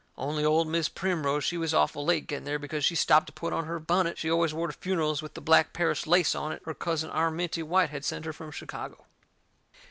Only Old Mis' Primrose, she was awful late getting there because she stopped to put on her bunnet she always wore to funerals with the black Paris lace on it her cousin Arminty White had sent her from Chicago.